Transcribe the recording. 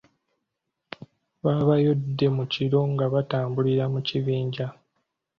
Baabayodde mu kiro nga batambulira mu kibinja.